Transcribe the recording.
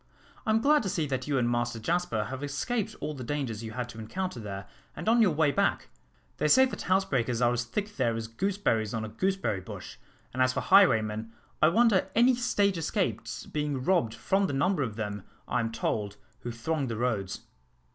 "I am glad to see that you and Master Jasper have escaped all the dangers you had to encounter there and on your way back. They say that housebreakers are as thick there as gooseberries on a gooseberry bush; and as for highwaymen, I wonder any stage escapes being robbed from the number of them, I am told, who throng the roads."